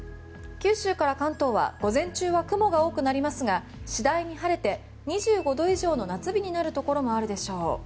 九州から関東は午前中は雲が多くなりますが次第に晴れて２５度以上の夏日になるところもあるでしょう。